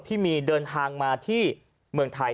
ที่มีเดินทางมาที่เมืองไทย